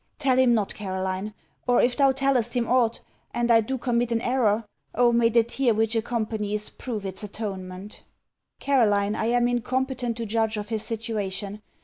Tell him not, Caroline: or, if thou tellest him aught, and I do commit an error, oh may the tear which accompanies prove its atonement! Caroline, I am incompetent to judge of his situation.